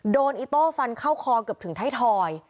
อีโต้ฟันเข้าคอเกือบถึงไทยทอย